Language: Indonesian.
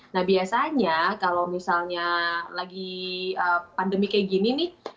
nah biasanya kalau misalnya lagi pandemi kayak gini nih